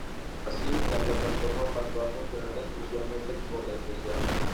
Así, la plataforma pasó a funcionar exclusivamente como red social.